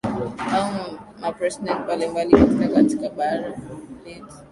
au mapresident mbali mbali katika katika bara letu